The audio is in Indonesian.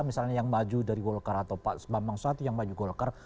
misalnya yang maju dari golkar atau pak bambang suati yang maju golkar